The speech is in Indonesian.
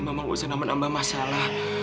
mama gak usah nambah nambah masalah